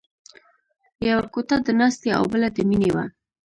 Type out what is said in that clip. یوه کوټه د ناستې او بله د مینې وه